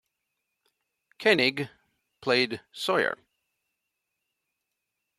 Koenig played Sawyer.